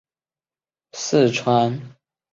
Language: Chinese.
四川尾药菊